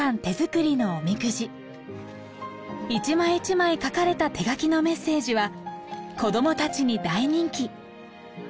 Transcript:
一枚一枚書かれた手書きのメッセージは子どもたちに大人気！